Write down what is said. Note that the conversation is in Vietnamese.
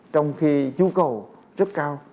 trong khi nhu cầu rất cao